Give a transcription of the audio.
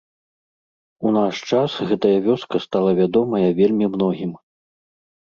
У наш час гэтая вёска стала вядомая вельмі многім.